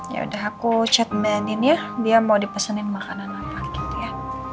yaudah aku chat man in ya dia mau dipesenin makanan apa gitu ya